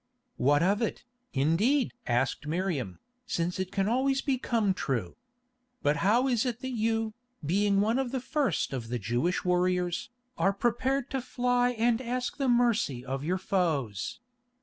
"What of it, indeed?" asked Miriam, "since it can always become true. But how is it that you, being one of the first of the Jewish warriors, are prepared to fly and ask the mercy of your foes?